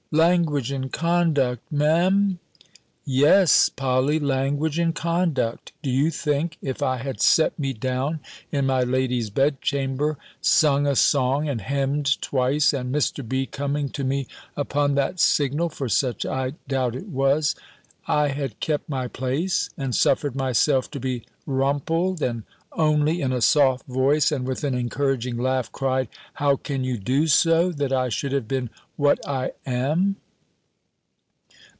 "Language and conduct, Me'm!" "Yes, Polly, language and conduct. Do you think, if I had set me down in my lady's bed chamber, sung a song, and hemm'd twice, and Mr. B. coming to me, upon that signal (for such I doubt it was), I had kept my place, and suffered myself to be rumpled, and only, in a soft voice, and with an encouraging laugh, cried 'How can you do so?' that I should have been what I am?"